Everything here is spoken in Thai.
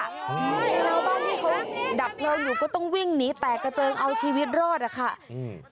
ชาวบ้านที่เขาดับเพลิงอยู่ก็ต้องวิ่งหนีแตกกระเจิงเอาชีวิตรอดอ่ะค่ะอืม